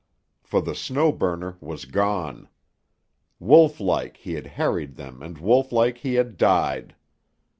For the Snow Burner was gone. Wolf like he had harried them and wolf like he had died.